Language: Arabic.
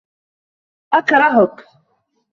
أكرهك!